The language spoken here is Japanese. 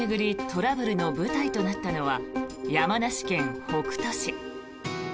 トラブルの舞台となったのは山梨県北杜市。